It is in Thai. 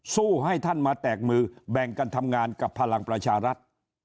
ให้ท่านมาแตกมือแบ่งกันทำงานกับพลังประชารัฐ